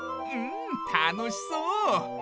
うんたのしそう！